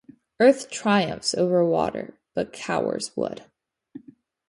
Earth triumphs over water but cowers wood.